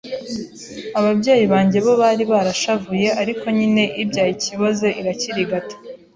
ababyeyi banjye bo bari barashavuye ariko nyine ibyaye ikiboze irakirigata.